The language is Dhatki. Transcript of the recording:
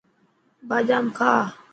بادام کا.